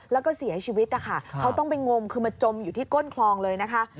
แล้วก็เสียชีวิตนะคะเขาต้องไปงมคือมาจมอยู่ที่ก้นคลองเลยนะคะ